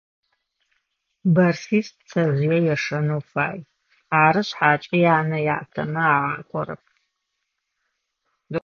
Бэрсис пцэжъые ешэнэу фай, ары шъхьакӏэ янэ-ятэмэ агъакӏорэп.